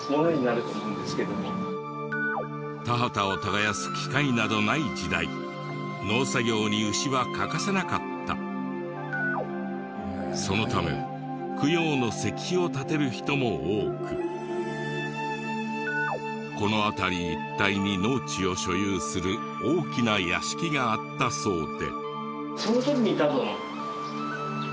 田畑を耕す機械などない時代そのため供養の石碑を建てる人も多くこの辺り一帯に農地を所有する大きな屋敷があったそうで。